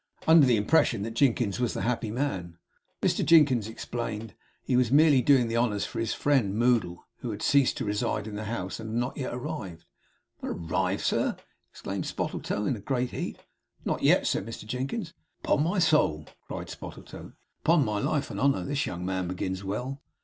Under the impression that Jinkins was the happy man. Mr Jinkins explained. He was merely doing the honours for his friend Moddle, who had ceased to reside in the house, and had not yet arrived. 'Not arrived, sir!' exclaimed Spottletoe, in a great heat. 'Not yet,' said Mr Jinkins. 'Upon my soul!' cried Spottletoe. 'He begins well! Upon my life and honour this young man begins well!